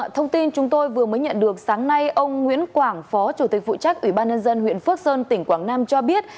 thông tin chúng tôi vừa mới nhận được sáng nay ông nguyễn quảng phó chủ tịch vụ trác ủy ban nhân dân huyện phước sơn tỉnh quảng nam cho biết